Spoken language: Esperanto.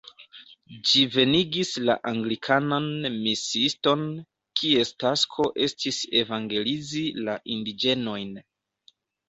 Ĝi venigis la anglikanan misiiston, kies tasko estis evangelizi la indiĝenojn.